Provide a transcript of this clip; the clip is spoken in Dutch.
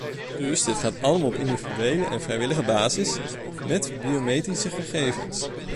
Dus dit gaat allemaal op individuele en vrijwillige basis, met biometrische gegevens.